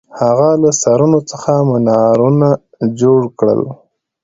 هغه له سرونو څخه منارونه جوړ کړل.